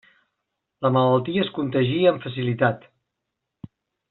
La malaltia es contagia amb facilitat.